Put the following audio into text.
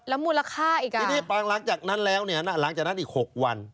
มูลค่าอีกอ่ะทีนี้หลังจากนั้นแล้วเนี่ยหลังจากนั้นอีก๖วัน